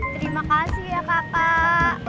terima kasih ya kakak